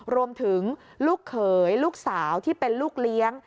รวมถึงลูกเขยลูกสาวที่เป็นลูกเลี้ยง